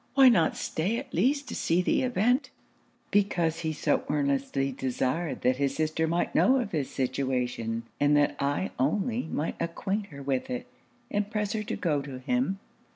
Why not stay at least to see the event?' 'Because he so earnestly desired that his sister might know of his situation, and that I only might acquaint her with it and press her to go to him.'